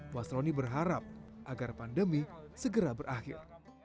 wasroni berharap agar pandemi segera berakhir